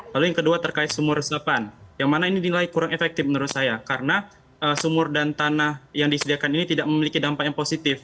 lalu yang kedua terkait sumur resapan yang mana ini dinilai kurang efektif menurut saya karena sumur dan tanah yang disediakan ini tidak memiliki dampak yang positif